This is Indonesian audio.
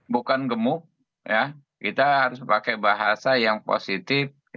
bukan gemuk kita harus pakai bahasa yang positif